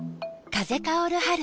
風薫る春。